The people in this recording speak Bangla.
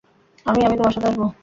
আমি-- আমি তোমার সাথে আসব।